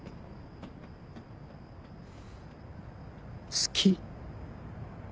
好き。